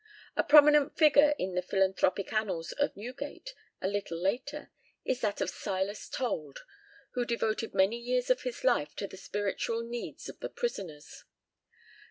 A prominent figure in the philanthropic annals of Newgate a little later is that of Silas Told, who devoted many years of his life to the spiritual needs of the prisoners.